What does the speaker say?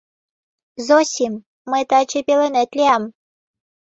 — Зосим, мый таче пеленет лиям!